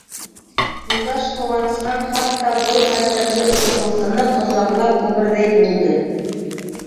Юлдаш ҡыуанысынан хатта был хәстәрле уҡытыусыны ҡосаҡлап үберҙәй булды.